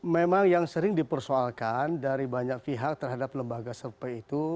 memang yang sering dipersoalkan dari banyak pihak terhadap lembaga survei itu